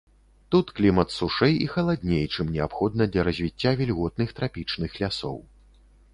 Тут клімат сушэй і халадней, чым неабходна для развіцця вільготных трапічных лясоў.